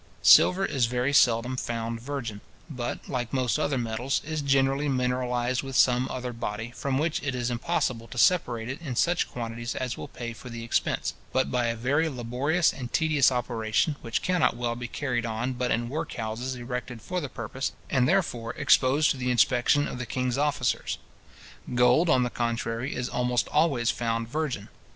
Silver is very seldom found virgin, but, like most other metals, is generally mineralized with some other body, from which it is impossible to separate it in such quantities as will pay for the expense, but by a very laborious and tedious operation, which cannot well be carried on but in work houses erected for the purpose, and, therefore, exposed to the inspection of the king's officers. Gold, on the contrary, is almost always found virgin.